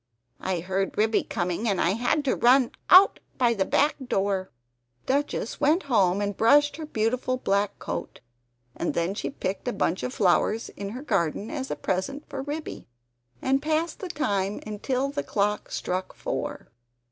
I heard Ribby coming and I had to run out by the back door!" Duchess went home and brushed her beautiful black coat; and then she picked a bunch of flowers in her garden as a present for Ribby; and passed the time until the clock struck four.